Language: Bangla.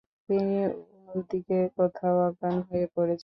তিনি ওদিকে কোথাও অজ্ঞান হয়ে পড়েছিলেন।